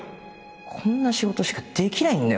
こんな仕事しかできないんだよ